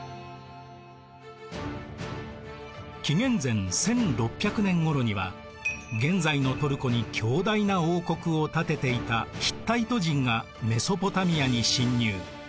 紀元前１６００年ごろには現在のトルコに強大な王国を建てていたヒッタイト人がメソポタミアに侵入。